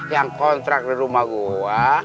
yang kontrak di rumah gue